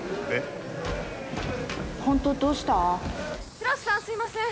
広瀬さんすいません。